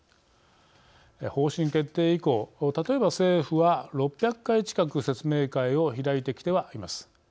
方針決定以降例えば政府は６００回近く説明会を開いてきてはいます。